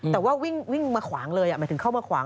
แต่ว่าวิ่งมาขวางเลยหมายถึงเข้ามาขวาง